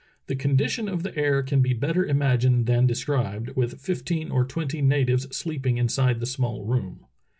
The condition of the air can be better imagined than described, with fifteen or twenty natives sleeping inside the small room."